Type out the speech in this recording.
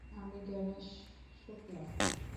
আমি গ্যাণেশ শুক্লা।